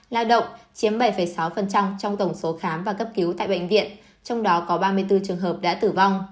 lao động chiếm bảy sáu trong tổng số khám và cấp cứu tại bệnh viện trong đó có ba mươi bốn trường hợp đã tử vong